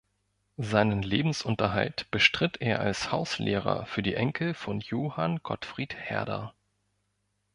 Seinen Lebensunterhalt bestritt er als Hauslehrer für die Enkel von Johann Gottfried Herder.